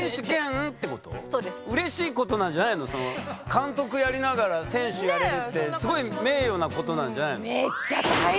監督やりながら選手やれるってすごい名誉なことなんじゃないの？